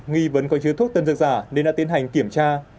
nghi vấn có chứa thuốc tân dược giả nên đã tiến hành kiểm tra